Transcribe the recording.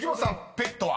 ペットは？